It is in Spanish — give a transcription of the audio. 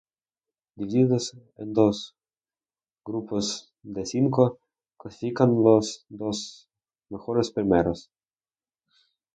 Divididos en dos grupos de cinco, clasifican los dos mejores primeros.